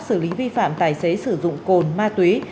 xử lý vi phạm tài xế sử dụng cồn ma túy